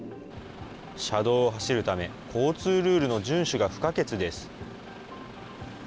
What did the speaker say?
車道を走るため、交通ルールの順守が不可欠です。